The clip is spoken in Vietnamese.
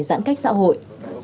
giãn cách xã hội